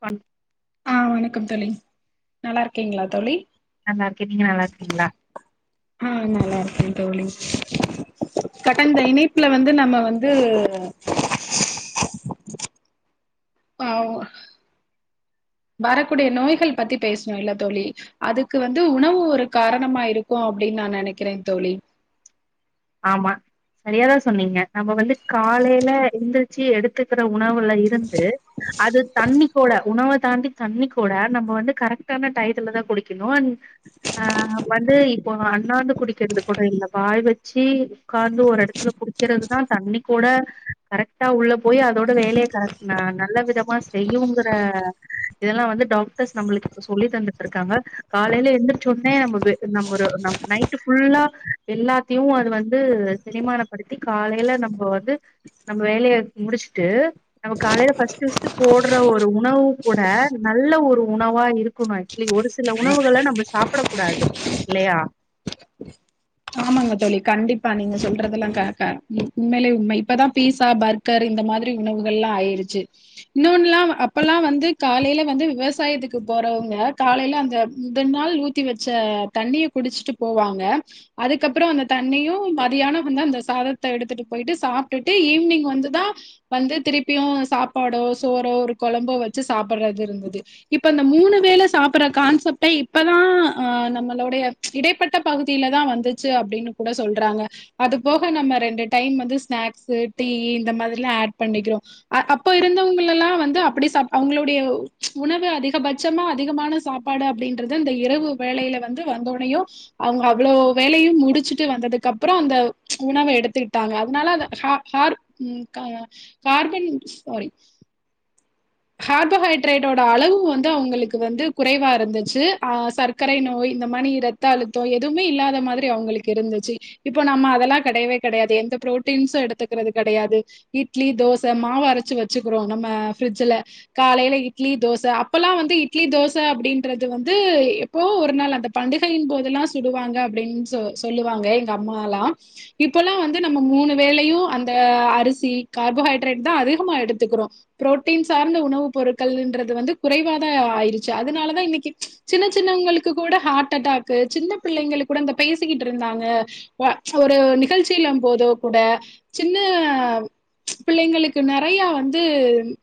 பன் ஆ வணக்கம் தோழி நல்லா இருக்கீங்ளா தோழி? நல்லா இருக்கே. நீங்க நல்லாக்கிறீங்ளா? நல்லா இருக்கே தோழி. கடந்த இணைப்புல வந்து நம்ம வந்து ஆஹ் வரக்கூடிய நோய்கள் பத்தி பேசுணோ இல்ல தோழி. அதுக்கு வந்து உணவு ஒரு காரணமா இருக்கு அப்டின் நா நெனைக்கிறே தோழி. ஆமா சரியாதா சொன்னீங்க. நம்ம வந்து காலேல எந்திருச்சு எடுத்துக்கிற உணவுல இருந்து அது தண்ணி கொட உணவ தாண்டி தண்ணிக்கோட நம்ம வந்து கரெக்டான டைத்துல தா குடிக்கணு ஆ வந்து இப்போ அண்ணாண்டு குடிக்கறது கூட இல்ல வாய் வச் ச்சீ உக்காந்து ஒரு எடத்துல குடிக்கறதுதா தண்ணி கோட கரெக்டா உள்ள போய் அதோட வேலைய கரக் ந நல்ல விதமா செய்யுங்கற இதெல்லா வந்து டாக்டர்ஸ் நம்ளுக்கு இப்ப சொல்லி தந்துட்டுருக்காங்க. காலைல எந்திரச்சோட்னே நம்ம நம்ம நைட்டு ஃபுல்லா எல்லா தியு அது வந்து செரிமானப்படுத்தி காலைல நம்ப வந்து நம்ம வேலைய முடிச்ட்டு நம்ம காலேல ஃபஸ்ட்டஸ்ட் போட்ற ஒரு உணவு கூட நல்ல ஒரு உணவா இருக்குணு ஆக்சுலி ஒரு சில உணவுகள நம்ம சாப்ட கூடாது இல்லயா ஆமாங்க தோழி கண்டிப்பா நீங்க சொல்றதெல்லா கக உண்மேலயே உண்ம இப்பதா பீஸா பர்கர் இந்த மாதிரி உணவுகள்ல்லா ஆய்ருச்சு இன்னோன்ல்லா அப்பல்லா வந்து காலைல வந்து விவசாயத்துக்கு போறவங்க காலைல அந்த முதன் நாள் ஊத்தி வச்ச தண்ணிய குடிச்சுட்டு போவாங்க அதுக்கப்புறோ அந்த தண்ணியு மதியானோகுந்தா அந்த சாதத்த எடுத்துட்டு போய்ட்டு சாப்ட்டுட்டு ஈவ்னிங் வந்துதான் வந்து திருப்பியு சாப்பாடோ சோறோ ஒரு குழம்போ வச்சு சாப்பட்றது இருந்தது இப்ப அந்த மூணு வேல சாப்பிட்ற கான்செப்டே இப்பதா ஆ நம்மளுடைய இடைப்பட்ட பகுதியில தா வந் துச்சு அப்டின்னு கூட சொல்றாங்க. அது போக நம்ம ரெண்டு டைம் வந்து ஸ்நாக்ஸு டீ இந்த மாதிரிலா அட் பண்ணிக்கிறோ அ அப்ப இருந்தவங்கல்லெல்லா வந்து அப்டி சாப் அவுங்களுடைய உணவு அதிகபட்சமா அதிகமான சாப்பாடு அப்டீன்றது இந்த இரவு வேலைல வந்து வந்தோனயு அவுங்க அவ்ளோ வேலயு முடிச்சுட்டு வந்ததுக்கப்றோ அந்த ம்ச உணவ எடுத்துக்கிட்டாங்க அதனால அ ஹ ஹார் ம் கா கார்பன் சாரி கார்போஹைட்ரேட்டோட அளவு வந்து அவுங்களுக்கு வந்து குறைவா இருந்துச்சு. ஆஹ் சர்க்கரை நோய் இந்த மாரி ரத்த அழுத்தோ எதுமே இல்லாத மாதிரி அவுங்களுக்கு இருந்துச்ச இப்போ நம்ம அதெல்லா கெடையவே கெடையாது எந்த ப்ரோட்டீன்ஸு எடுத்துக்கறது கெடையாது இட்லி தோச மாவு அரச்சு வச்சுக்குறோ நம்ம ஃப்ரிட்ஜ்ல காலைல இட்லி தோச அப்பல்லா வந்து இட்லி தோச அப்பிடின்றது வந்து எப்போ ஒரு நாள் அந்த பண்டிகையின் போதெல்லா சுடுவாங்க அப்டின் சொ சொல்லுவாங்க எங்க அம்மால்லா இப்பொல்லா வந்து நம்ம மூணு வேளயூ அந்த அரிசி கார்போஹைட்ரேட்தா அதிகமா எடுத்துக்குறோ புரோட்டீன்ஸ் சார்ந்த உணவு பொருட்கள்ன்றது வந்து குறைவாதா ஆயிருச்சு அதனாலதான் இன்னைக்கு சின்ன சின்னவங்களுக்கு கூட ஹார்ட் அட்டாக்கு சின்ன பிள்ளைங்களுக்கு கூட அ பேசிக்கிட்டு இருந்தாங்க. ஒரு நிகழ்ச்சில போதோ கூட சின்ன ம்ச் பிள்ளைங்களுக்கு நெறையா வந்து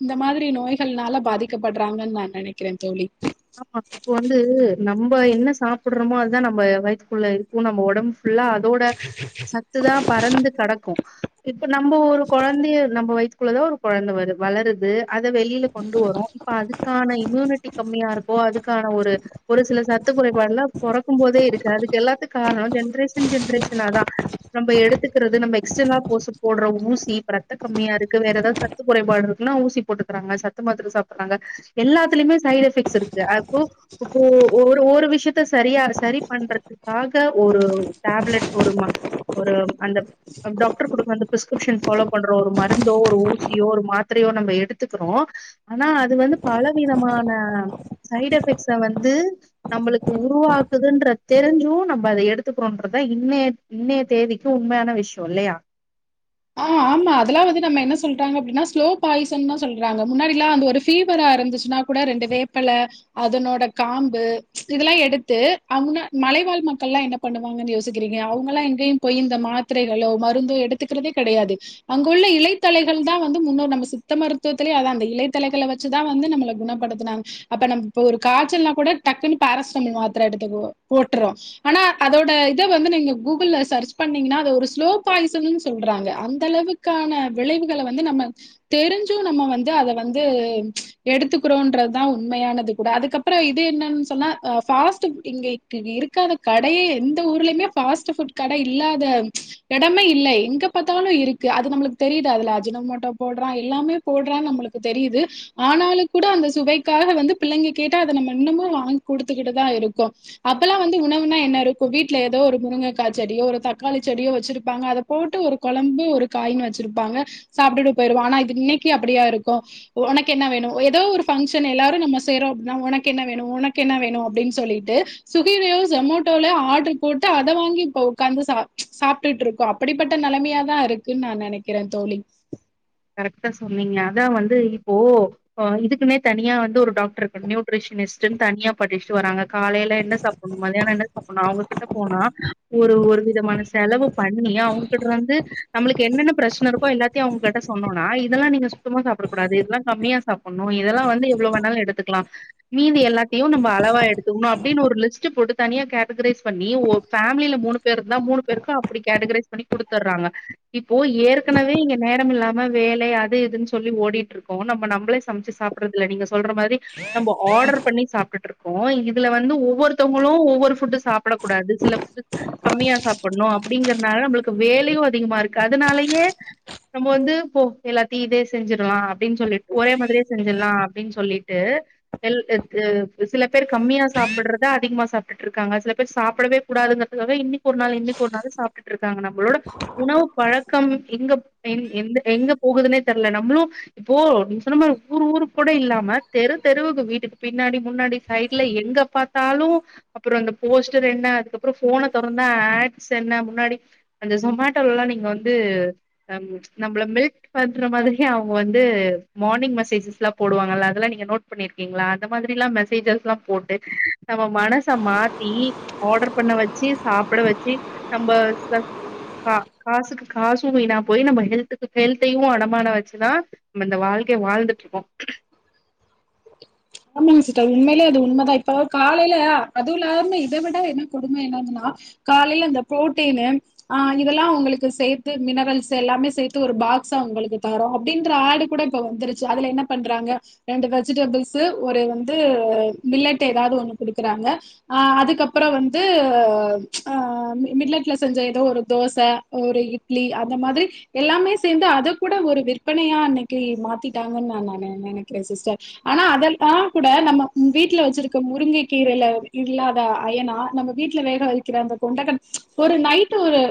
இந்த மாதிரி நோய்கள்னால பாதிக்கப்பட்றாங்கன்னு நா நெனைக்கிற தோழி ஆமா இப்ப வந்து நம்ப என்ன சாப்பிட்றமோ அதுதா நம்ப வய்த்துக்குள்ள இருக்கு நம்ப ஒடம் புல்லா அதோட சத்துதா பறந்து கெடக்கு இ ப்ப நம்ப ஒரு குழந்தைய நம்ம வைத் க்குள்ளதா ஒரு கொழந்தை வரு வளருது அத வெளில கொண்டு வரோ இப்ப அதுக்கான இம்யூனிட்டி கம்மியா இருக் அதுக்கான ஒரு ஒருசில சத்து குறைபாடுல்லா பொறக்கு போதே இருக்கு அதுக்கு எல்லாத்துக் காரணோ ஜென்ரேஷன் ஜென்ரேஷனாதா நம்ப எடுத்துக்கறத நம்ப எக்ஸ்டலா போசு போட்ற ஊசி ரத்த கம்மியா இருக்கு வேற எதாது சத்து குறைபாடு இருக்குனா ஊசி போட்டுக்கராங்க சத்து மாத்தர சாப்புறாங்க எல்லாத்துலுமே சைடு எஃபக்ட்ஸ் இருக் அப்போ இப்போ ஒரு ஒரு விஷ்யத்த சரியா சரி பண்றதுக்காக ஒரு டேப்லெட் ஒரு மா ஒரு அந்த டாக்டர் குடுக்க அந்த பிஸ்கிரிப்ஷன் ஃபாலோ பண்ற ஒரு மருந்தோ ஒரு ஊசியோ ஒரு மாத்தரயோ நம்ப எடுத்துக்றோ ஆனா அது வந்து பல விதமான சைட் எஃபெக்ட்ஸ வந்து நம்பளுக்கு உருவாக்குதுன்ற தெரிஞ்சு நம்ம அத எடுத்துக்குறோன்றத இன்னைய இன்னைய தேதிக்கு உண்மையான விஷ்யோ இல்லயா? ஆ ஆமா அதெல்லா வந்து நம்ம என்ன சொல்டாங்க அப்பிடினா ஸ்லோ பாயன்தா சொல்றாங்க முன்னாடில்லா அந்த ஒரு ஃபீவரா இருந்துச்சுனா கூட ரெண்டு வேப்பல அதனோட காம்பு இதெல்லா எடுத்து அவ்ங்க மலைவாழ் மக்கள்ல்லா என்ன பண்ணுவாங்கன்னு யோசிக்கிறீங்க அவங்கல்லா எங்கேயு போய் இந்த மாத்திரைகளோ மருந்தோ எடுத்து கர்தே கெடயாது அங்க உள்ள இலைத்தலைகள்தா வந்து முன்னோர் நம்ம சித்த மருத்துவத்திலே அதா அந்த இலைத்தளைகள வச்சுதா வந்து நம்மள குணப்படுத்துனாங் அப்ப நமக்கு ஒரு காச்சல்னா கூட டக்குனு பாரசிட்டமால் மாத்தர எடுத்துக்குவோ போட்டுறோ ஆனா அதோட இத வந்து நீங்க கூகுள்ல சர்ச் பண்ணீங்கனா அது ஒரு ஸ்லோ பாய்சன்னு சொ ல்றாங்க அந்தளவுக்கான விளைவுகள வந்து நம்ம தெரிஞ்சு நம்ம வந்து அத வந்து எடுத்துக்குறோன்றத்தா உண்மையானது கூட அதுக்கப்புறோ இது என்னனு சொன்னா அ ஃபாஸ்ட் இங்க இருக்காத கடையே எந்த ஊர்லேமே ஃபாஸ்ட்ஃபுட் கட இல்லாத ம்ச் எடமே இல்ல எங் க பாத்தாலு இருக்கு அது நம்ளுக்கு தெரிதா அதுல அஜினமோட்டோ போட்றா எல்லாமே போட்றான்னு நம்மளுக்கு தெரிது. ஆனாலு கூட அந்த சுவைக்காக வந்து பிள்ளைங்க கேட்டா அத நம்ம இன்னமும் வாங் குடுத்துக்கிட்டுதா இருக்கோ அப்பல்லா வந்து உணவுனா என்ன இருக்கு வீட்ல ஏதோ ஒரு முருங்கக்கா செடியோ ஒரு தக்காளி செடியோ வச்சிருப்பாங்க அத போட்டு ஒரு கொழம்பு ஒரு காய்னு வச்சிருப்பாங்க சாப்டேட்டு போய்ருவோ ஆனா இன்னைக்கு அப்படியா இருக்கூ உனக்கு என்ன வேணு ஏதோ ஒரு ஃபங்சன் எல்லாரு நம்ம செய்றோ அப்டினா உனகென்னா வேணு உனக் கென்னா வேணு அப்டீன்சொல்லிட்டு சுகீலயோ ஜோமோட்டோல ஆர்டர் போட்டு அத வாங்கி உட்காந்து ச சாப்டுட் இருக்கோ அப்படிப்பட்ட நெலைம யாதா இருக்குன்னு நா நெனைக்கிற தோழி கரெக்ட்டா சொன்னீங்க அதா வந்து இப்போ இதுக்குமே தனியா வந்து ஒரு டாக் ட்ருக்கு நியூட்ரிஷனி்ஸ்ட் துன் தனியா படிச்சிட்டு வராங்க காலையில என்ன சாப்பணு மத்தியான என்ன சாப்பணு அவங்ககிட்ட போனா ஒரு ஒரு விதமான செலவு பண்ணி அவங்ககிட்டருந்து நம்மளுக்கு என்னென்ன பிரச்சனை இருக்கோ எல்லாத்தையு அவங்ககிட்ட ணுனா இதெல்லா நீ சுத்தமா சப்பிடக்கூடாது இதெல்லா கம்மியா சப்பனு இதெல்லா வந்து எவ்ள வேணாலு எடு த்துகலா மீதி எல்லாத்தையு நம்ம அளவா எடுத்துக்கணு அப்டின்னு ஒரு லிஸ்ட் போட்டு தனியா கேட்டகரைஸ் பண்ணி பேமிலில மூணு பேருந்தா மூணு பேருக்கு அப்டி கேட்டகரைஸ் பண்ணி குடுத்துராங்க இப்போ ஏற்கெனவே இங்க நேரமில்லாம ம்ம வேலை அது இதுன்னு சொல்லி ஓடிட்ருக்கோ நம்ம நம்மளே சமைச்சு சாப்பறதுல்ல நீங்க சொல்ற மாரி நம்ம ஆர்டர் பண்ணி சாப்டுட்டுருக் இதுல வந்து ஒவ்வொருத்தவங்களு ஒவ்வொரு ஃபுட்டு் சாப்பிட கூடாது சில ஃபுட் கம்மியா சாப்பணு அப்படிங்கறனால நம்மளுக்கு வேலையும் அதிகமா இருக்கு அதனாலயே நம்ம வந்து போ எல்லாத்தையு இதே செஞ்சிடலா அப்டின்னு சொல்லி ஒரே மாதிரியே செஞ்சிடலா அப்படின்னு சொல்லிட்டு எல் எ சில பேர் கம்மியா சாப்பிடுறத அதிகமா சாப்ட்டுட்ருக்காங்க சில பேர் சாப்பிடவே கூடாதுங்கிறதுக்காக இன்னைக்கு ஒரு நாள் இன்னனைக்கு ஒரு நாளு சாப்ட்டுட்ருக்கு க்காங்க நம்மளோட உணவு பழக்கம் எங்க எ எந்த எங்க போகுதுனே தெர்ல நம்முளு இப்போ நீங்க சொன்ன மாரி ஊரு ஊருக்கு கோட இல்லாம தெரு தெருவுக்கு வீட்டுக்கு பின்னாடி முன்னாடி சைட்ல எங்க பாத்தாலு அப்புற இந்த போஸ்டர் என்ன அதுக்கப்புற ஃபோன தொறந்தா ஆட்ஸ் என்ன முன்னாடி அந்த ஜொமேட்டோலல்லா நீங்க வந்து நம்மள மெல்ட் பண்ற மாதிரியே அவுங்க வந்து மார்னிங் மெஸேஜஸ்லா போடுவாங்கல்ல அதெல்லா நீங்க நோட் பண்ணிருக்கிங்ளா அந்த மாதிரிலா மெஸேஜஸ்லா போட்டு நம்ம மனச மாத்தி ஆடர் பண்ண வச்சு சாப்பட வச்சு நம்ம ச கா காசுக்கு காசு வீணாப்போயி நம்ம ஹெல்த்துக் கு கெல்த்தையு அடமான வச்சுதா நம்ம இந்த வாழ்க்கைய வாழ்ந்துட்ருக்கோ ஆமாங்க சிஸ்டா உண்மையிலே அது உண்மதா இப்ப காலையில அதுவு இல்லாம இத விட என்ன கொடுமை என்னன்னா காலையில இந்த புரோட்டீனு ஆ இதெல்லா உங்களுக்கு சேத்து மினரல்ஸ் எல்லாமே சேத்து ஒரு பாக்ஸா உங்களுக்கு தர்றோ அப்படின்ற ஆட் கூட இப்ப வந்துருச்சு அதுல என்ன பண்றாங்க ரெண்டு வெஜிடபிள்ஸு ஒரு வந்து மில்லெட் எதாவுது ஒன்னு குடுக்குறாங்க அ அதுக்கப்புற வந்து மில்லெட்ல செஞ்ச எதோ ஒரு தோசை ஒரு இட்லி அந்த மாதிரி எல்லாமே சேந்து அத கூட ஒரு விற்பனையா அன்னைக்கு மாத்திட்டாங்கன்னு நானு நெனைக்கிறே சிஸ்டர் ஆனா அதெல்லா கூட நம்ம வீட்டுல வச்சிருக்க முருங்கை கீரைல இல்லாத அயனா நம்ம வீட்டுல வேக வக்கிற அந்த கொண்டகடல ஒரு நைட் ஒரு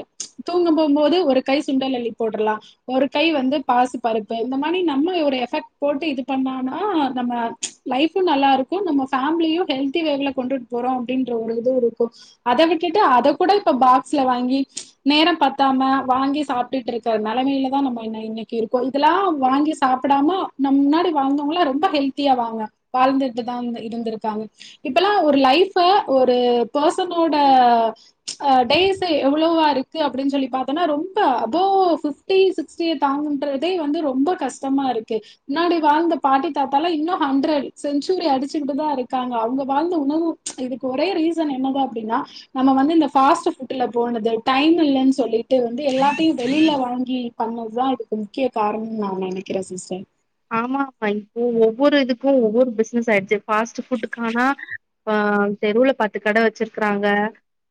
தூங்க போம்போது ஒரு கை சுண்டலல்லி போடலா ஒரு கை வந்து பாசி பருப்பு இந்த மாரி நம்ம ஒரு எஃபெக்ட் போட்டு இது பண்ணான னா நம்ம லைஃபு நல்லா இருக்கு நம்ம ஃபேமிலியு ஹெல்திவேல கொண்டுட்டு போறோ அப்டின்ற ஒரு இது இருக்கு அத விட்டுட்டு அத கூட இப்ப பாக்ஸ்ல வாங்கி நேரம் பத்தாம வாங்கி சாப்டுட்டு இருக்கற நெலைமையில தா நம்ம இன்னைக்கு இருக்கோ இதெல்லா வாங்கி சாப்படாம நம் முன்னாடி வாழ்ந்த அவுங்களா ரொம்ப ஹெல்தியாதாங்க வாழ்ந்துட்டுதா இ இருந்திருக்காங்க இப்பல்லா ஒரு லைஃப் ஒரு பெர்ஸனோட டேஸ் எவ்ளோவா இருக்கு அப்டின்னு சொல்லி பாத்தோன்னா ரொம்ப அபௌ ஃபிப்டி சிக்ஸ்டிய தாண்டறதே ரொம்ப கஷ்டமா இருக்கு முன்னாடி வாழ்ந்த பாட்டி தாத்தாலா இன்னு ஹண்ட்ரட் செஞ்சுரி அடிச்சுகிட்டுதா இருக்காங்க அவுங்க வாழ்ந்த உணவு இதுக்கு ஒரே ரீசன் என்னது அப்டினா நம்ம வந்து இந்த ஃபாஸ்ட் ஃபுட்ல போனது டைம் இல்லன்னு சொல்லிட்டு வந்து எல்லாத்தையு வெளில வாங்கி பண்ணதுதா இதுக்கு முக்கிய காரணனு நா நெனைக்கறே சிஸ்டர் ஆமா [unintelligible] இப்போ ஒவ்வொரு இதுக்கு ஒவ்வொரு பிசினஸ் ஆயிடுச்சு ஃபாஸ்ட் ஃபுட் கானா ஆ தெருவுல பத்து கடை வச்சிருக்றாங்க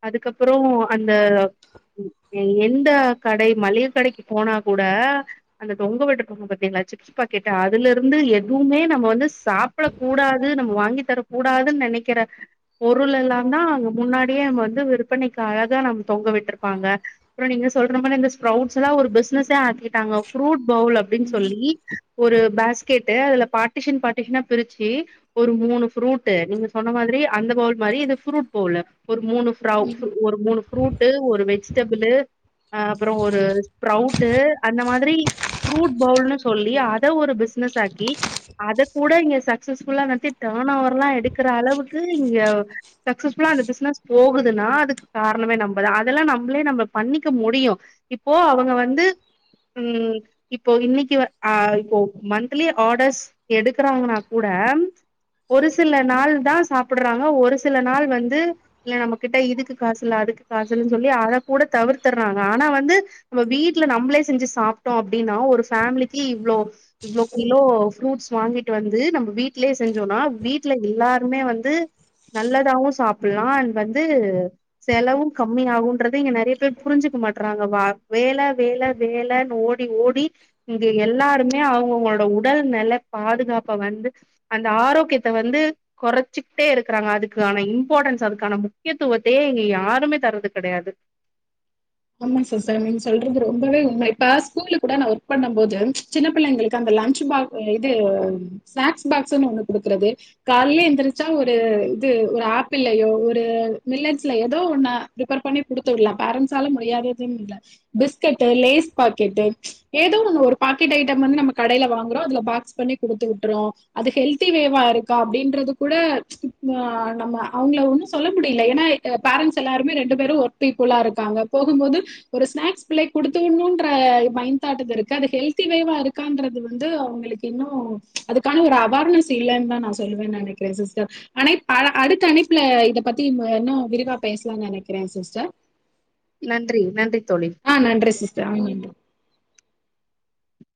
அதுக்கப்புற அந்த எந்த கடை மளிகை கடைக்கு போனா கூட அந்த தொங்க விட்ருக்காங்க பாத்திங்ளா சிப்ஸ் பாக் கெட்டு அதுல இருந்து எதுவுமே நம்ம வந்து சாப்படக் கூடாது நம்ம வாங்கி தந்தரக்கூடாதுன்னு நெனைக்கற பொருள் எல்லாந்தா அங்க முன்னாடியே வந்து விற்பனைக்கு அழகா நா தொங்க விட்ருப்பாங்க அப்ற நீங்க சொல்ற மாரி ஸ்ப்ரௌட்ஸ்லா ஒரு பிஸ்னஸ்ஸே ஆக்கிட்டாங்க ஃப்ரூட் பௌல் அப்டின்னு சொல்லி ஒரு பேஸ்கெட்டு அதுல பார்ட்டிஷியன் பார்ட்டிஷியனா பிரிச்சு ஒரு மூணு ஃப்ரூட்டு நீங்க சொன்ன மாதிரி அந்த பவுல் மாதிரி இது ஃப்ரூட் பவுலு ஒரு மூணு ஃப்ர ஒரு மூணு ஃப்ரூட்டு ஒரு வெஜிடபிளு அப்பற ஒரு ஸ்ப்ரௌட் அந்த மாதிரி ஃப்ரூட் பவுல்னு சொல்லி அ துல ஒரு பிசினஸ் ஆக்கி அத கூட இங்க சக்சஸ்ஃபுல்லா நடத்தி டர்ன்ஓவர்லா எடுக்கற அளவுக்கு இங்க சக்சஸ்ஃபுல்லா அந்த பிசினஸ் போகுதுன்னா அதுக்கு காரணமே நம்பதா அதெல்லா நம்ளே நம்ம பண்ணிக்க முடியு இப்போ அவங்க வந்து ம் இப்போ இன்னைக்கு வ அ போ மந்த்லி ஆடர்ஸ் எடுக்கறாங்கனா கூட ஒரு சில நாள் தா சாப்படறாங்க ஒரு சில நாள் வந்து இல்ல நம்ம கிட்ட இதுக்கு காசு இல்ல அதுக்கு காசில்லனு சொல்லி அத கூட தவிர்த்தர்றாங்க ஆனா வந்து நம்ம வீட்டுல நம்மளே செஞ்சு சாப்ட்டோ அப்டினா ஒரு ஃபேமிலிக்கு இவ்ளோ இவ்ளோ கிலோ ஃப்ரூட்ஸ் வாங்கிட்டு வந்து நம்ம வீட்லயே செஞ்சோனா வீட்ல எல்லாருமே வந்து நல்லதாவு சாப்புல்லா அண்ட் வந்து செலவு கம்மி ஆகுன்றது இங்க நறைய பேர் புரிஞ்சுக்க மாட்றாங்க வா வேலை வேலை வேலைன்னு ஓடி ஓடி இங்க எல்லாருமே அவங்கவுங்களோட உடல் நல பாதுகாப்ப வந்து அந்த ஆரோக்கியத்த வந்து கொறச்சுகிட்டே இருக்கறாங்க அதுக்கான இம்பார்டன்ஸ் அதுக்கான முக்கியத்துவத்தையே இங்க யாருமே தர்றது கெடையாது ஆமா சிஸ்டர் நீங்க சொல்றது ரொம்பவே உண்ம இப்ப ஸ்கூல்ல கூட நா ஒர்க் பண்ணும் போது சின்ன பிள்ளைங்களுக்கு அந்த லன்ச் பா இது ஸ்நாக்ஸ் பாக்ஸ்னு ஒண்ணு குடுக்கறது காலைல எந்திரிச்சா ஒரு இது ஒரு ஆப்பிளயோ ஒரு மில்லட்ஸ்ல எதோ ஒன்ன பிரிபர் பண்ணி குடுத்துவிடலா பேரண்ட்ஸ் ஸால முடியாததுனில்ல பிஸ்கட்டு லேஸ் பாக்கெட்டு ஏதோ ஒன்னு ஒரு பாக்கெட் ஐட்டம் வந்து நம்ம கடைல வாங்கறோ அதுல பாக்ஸ் பண்ணி குடுத்துட்றோ அது ஹெல்த்திவேவா இருக்கா அப்டின்றது கூட ந நம்ம அவுங்கள ஒண்ணு சொல்ல முடில ஏனா பேரன்ட்ஸ் எல்லாருமே ரெண்டு பேரு ஒர்க் பீபுளா இருக் காங்க போகும்போது ஒரு ஸ்நாக்ஸ் பிள்ளைக்கு குடுத்துடணுன்ற மைண்ட் தாட்டுக்கு இருக்கு அது ஹெல்திவேவா இருக்கான்றது வந்து அவங்களுக்கு இன்னு அதுக்கான ஒரு அவேர்னஸ் இல்லன்னு தா நா சொல்லுவே நெனைக்கற சிஸ்டர் ஆனா இப் அ அடுத்த அழைப்புல இத பத்தி இன்னு விரிவா பேசலானு நெனைக்கிறே சிஸ்டர் நன்றி நன்றி தோழி ஆ [unintelligible]